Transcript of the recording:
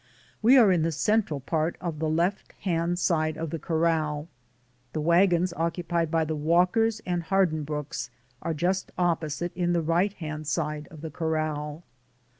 We are in the central part of the left hand side of the corral. The wagons occupied by the Walkers and Har dinbrookes are just opposite in the right hand side of the corral.